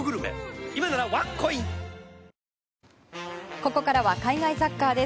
ここからは海外サッカーです。